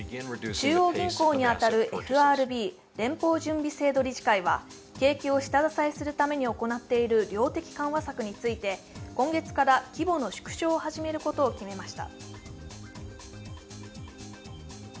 中央銀行に当たるＦＲＢ＝連邦準備制度理事会は景気を下支えするために行っている量的緩和策について、今月から規模の縮小を始めることを決めました。